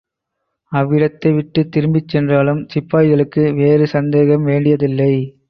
அவ்விடத்தை விட்டுத் திரும்பிச் சென்றாலும், சிப்பாய்களுக்கு வேறு சந்தேகம்வேண்டியதில்லை.